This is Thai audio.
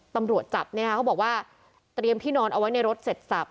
ตำรวจจับเขาบอกว่าเตรียมที่นอนเอาไว้ในรถเสร็จสับ